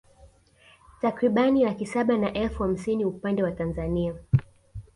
Takriban laki saba na elfu hamsini upande wa Tanzania